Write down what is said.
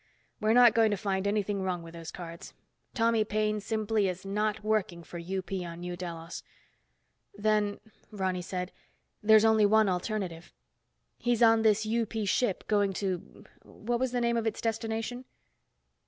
We're not going to find anything wrong with those cards. Tommy Paine simply is not working for UP on New Delos." "Then," Ronny said, "there's only one alternative. He's on this UP ship going to, what was the name of its destination?"